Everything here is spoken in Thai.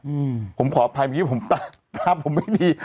อืมผมขออภัยเมื่อกี้ผมตาผมไม่ดี